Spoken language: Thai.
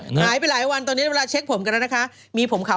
หายไปหลายวันตอนนี้เวลาเช็กผมกันนะค่ะ